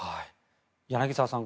柳澤さん